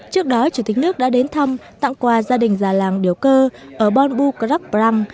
trước đó chủ tịch nước đã đến thăm tặng quà gia đình già làng điều cơ ở bon buc roc bram